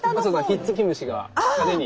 ひっつき虫が派手に。